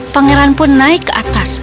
pangeran pun naik ke atas